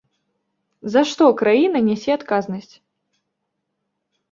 За што краіна нясе адказнасць?